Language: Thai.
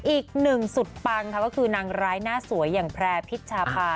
อีกหนึ่งสุดปังค่ะก็คือนางร้ายหน้าสวยอย่างแพร่พิชชาพา